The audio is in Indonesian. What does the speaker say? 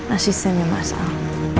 asistennya mas al